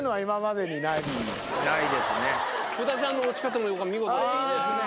福田ちゃんの落ち方も見事だったね。